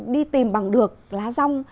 đi tìm bằng được lá rong